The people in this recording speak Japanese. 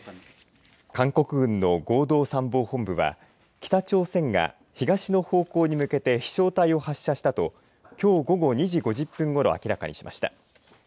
韓国軍の合同参謀本部は北朝鮮が東の方向に向けて飛しょう体を発射したときょう午後２時５０分ごろ、明らかにしました。